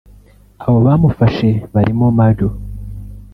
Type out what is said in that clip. Abo bamufashe barimo Maj